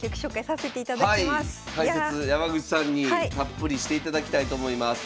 解説山口さんにたっぷりしていただきたいと思います。